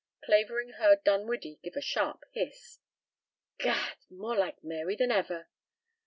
Clavering heard Dinwiddie give a sharp hiss. "Gad! More like Mary than ever.